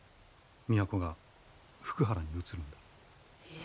都が福原に移るのだ。え？